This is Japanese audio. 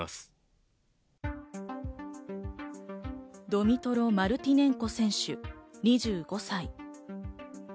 ドミトロ・マルティネンコ選手、２５歳。